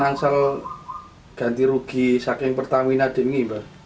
ganti rugi saking pertamina ini